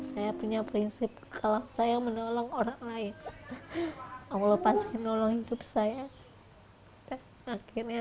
saya punya prinsip kalau saya menolong orang lain allah pasti menolong hidup saya akhirnya